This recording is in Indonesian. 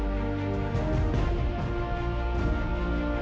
nggak ada yang nunggu